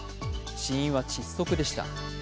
死因は窒息でした。